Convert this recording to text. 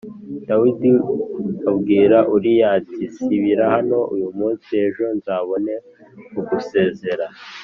Dawidi abwira Uriya ati “Sibira hano uyu munsi, ejo nzabone kugusezerera.”